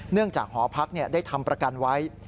เนื่องจากหอพักได้ทำประกันไว้